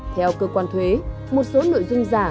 theo cơ quan thuế một số nội dung giả